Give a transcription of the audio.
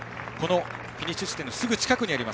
フィニッシュ地点のすぐ近くにあります